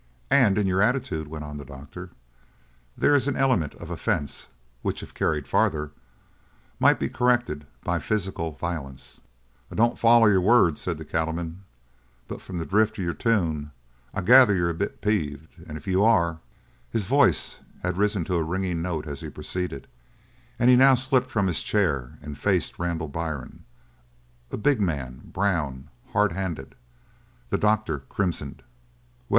"And in your attitude," went on the doctor, "there is an element of offense which if carried farther might be corrected by physical violence." "I don't foller your words," said the cattleman, "but from the drift of your tune I gather you're a bit peeved; and if you are " His voice had risen to a ringing note as he proceeded and he now slipped from his chair and faced Randall Byrne, a big man, brown, hard handed. The doctor crimsoned. "Well?"